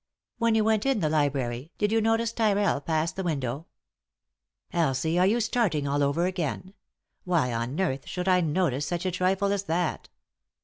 "When you went in the library, did you notice Tyrrell pass the window ?"" Elsie, are you starting all over again ? Why on earth should I notice such a trifle as that